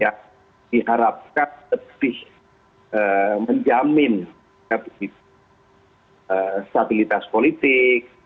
yang diharapkan lebih menjamin stabilitas politik